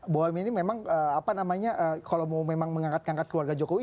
bahwa ini memang apa namanya kalau mau memang mengangkat angkat keluarga jokowi